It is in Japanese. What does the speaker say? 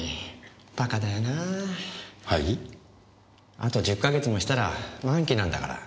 あと１０か月もしたら満期なんだから。